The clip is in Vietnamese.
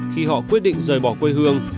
khi họ quyết định rời bỏ quê hương